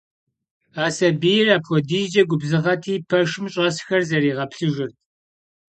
А сэбийр апхуэдизкӏэ губзыгъэти, пэшым щӏэсхэр зэригъэплъыжырт.